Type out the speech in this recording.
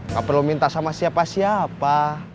gak perlu minta sama siapa siapa